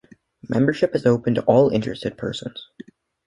Membership is open to all interested persons.